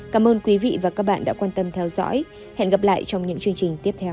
cảm ơn quý vị và các bạn đã quan tâm theo dõi hẹn gặp lại trong những chương trình tiếp theo